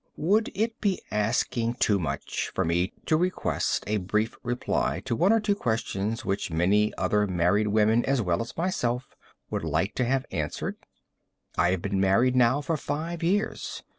] Would it be asking too much for me to request a brief reply to one or two questions which many other married women as well as myself would like to have answered? I have been married now for five years.